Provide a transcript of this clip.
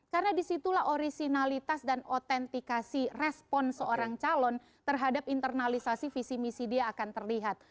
karena disitulah originalitas dan otentikasi respon seorang calon terhadap internalisasi visi misi dia akan terlihat